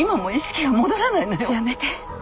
やめて。